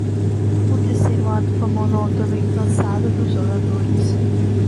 O terceiro ato foi monótono e cansado dos jogadores.